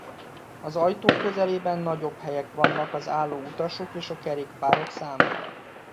Az ajtók közelében nagyobb helyek vannak az álló utasok és a kerékpárok számára.